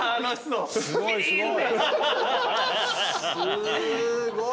すーごい！